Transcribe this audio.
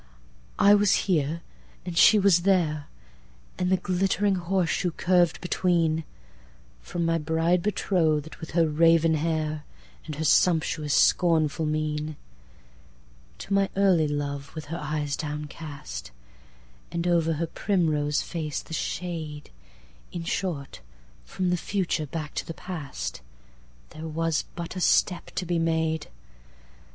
I was here; and she was there; And the glittering horseshoe curv'd between:—From my bride betroth'd, with her raven hair, And her sumptuous scornful mien, To my early love, with her eyes downcast, And over her primrose face the shade(In short from the Future back to the Past),There was but a step to be made.